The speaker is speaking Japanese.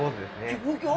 ギョギョ！